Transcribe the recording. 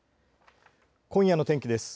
今夜の天気です。